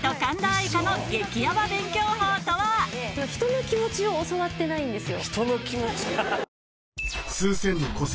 人の気持ちを教わってないんですよ。